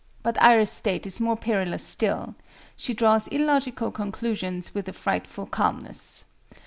But AYR'S state is more perilous still: she draws illogical conclusions with a frightful calmness.